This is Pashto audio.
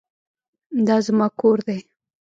دا زما کور دی.